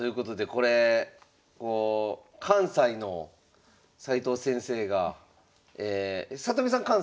これ関西の斎藤先生が里見さん